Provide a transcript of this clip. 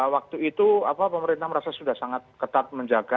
waktu itu pemerintah merasa sudah sangat ketat menjaga